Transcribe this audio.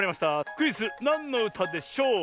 クイズ「なんのうたでしょう」！